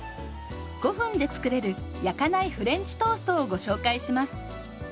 ５分で作れる「焼かないフレンチトースト」をご紹介します。